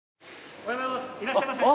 おはようございます。